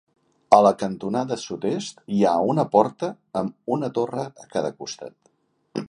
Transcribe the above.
A la cantonada sud-est hi ha una porta amb una torre a cada costat.